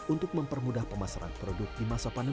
untuk mempermudah pemasaran produk di masa pandemi